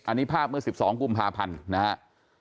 อันนี้ภาพเมื่อ๑๒กุมภาพันธ์นะครับ